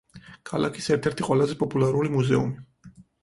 ქალაქის ერთ-ერთი ყველაზე პოპულარული მუზეუმი.